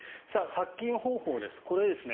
殺菌方法です。